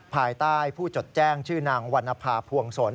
ภายใต้ผู้จดแจ้งชื่อนางวรรณภาพวงศล